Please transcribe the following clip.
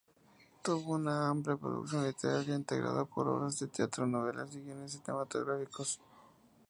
Tuvo una amplia producción literaria, integrada por obras de teatro, novelas y guiones cinematográficos.